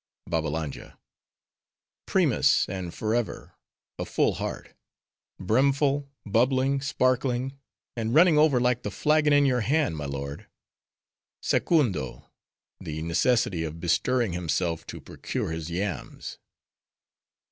BABBALANJA—Primus and forever, a full heart:—brimful, bubbling, sparkling; and running over like the flagon in your hand, my lord. Secundo, the necessity of bestirring himself to procure his yams.